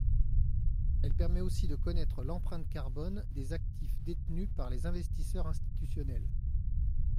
Elle permet aussi de connaître l’empreinte carbone des actifs détenus par les investisseurs institutionnels.